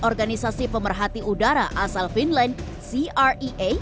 organisasi pemerhati udara asal finland crea